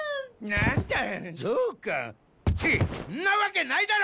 なんだゾウか。ってんなわけないだろ！